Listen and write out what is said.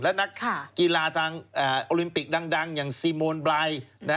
และนักกีฬาทางโอลิมปิกดังอย่างซีโมนไบ